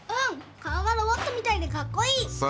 顔がロボットみたいでかっこいい。